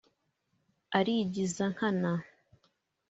arigiza nkana